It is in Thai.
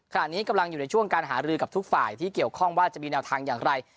ขณะนี้กำลังอยู่ในช่วงการหารือกับทุกฝ่ายที่เกี่ยวข้องว่าจะมีแนวทางอย่างไร